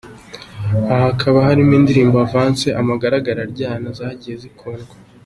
Aha hakaba aharimo indirimbo Avance, Amagaraga araryana zagiye zikundwa.